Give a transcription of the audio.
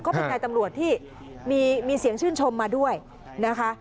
เขาเป็นนายตำรวจที่มีเสียงชื่นชมมาด้วยนะคะ